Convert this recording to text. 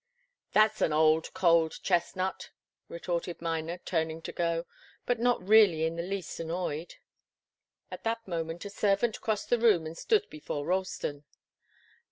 "That's an old, cold chestnut," retorted Miner, turning to go, but not really in the least annoyed. At that moment a servant crossed the room and stood before Ralston.